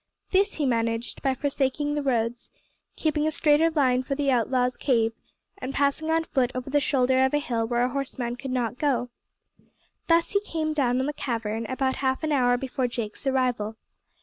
This he managed by forsaking the roads, keeping a straighter line for the outlaws' cave, and passing on foot over the shoulder of a hill where a horseman could not go. Thus he came down on the cavern, about half an hour before Jake's arrival.